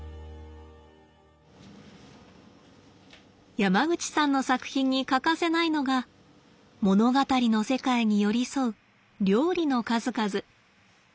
山口さんの作品に欠かせないのが物語の世界に寄り添う料理の数々。